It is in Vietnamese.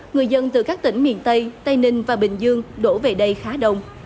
người dân từ các tỉnh miền tây tây ninh và bình dương đổ về đây khá đông